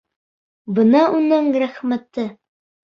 Бына уның рәхмәте!